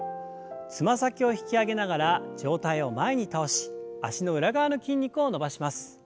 つま先を引き上げながら上体を前に倒し脚の裏側の筋肉を伸ばします。